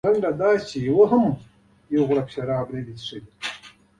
لنډه دا چې یوه لا هم یو غړپ شراب نه دي څښلي.